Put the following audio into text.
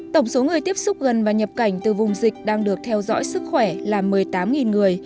tổng số người tiếp xúc gần và nhập cảnh từ vùng dịch đang được theo dõi sức khỏe là một mươi tám người